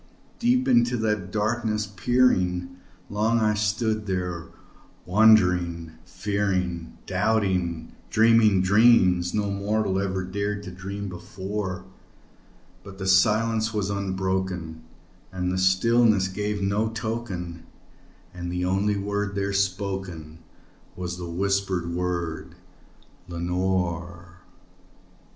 Deep into that darkness peering, long I stood there wondering, fearing, Doubting, dreaming dreams no mortal ever dared to dream before; But the silence was unbroken, and the darkness gave no token, And the only word there spoken was the whispered word, "Lenore!"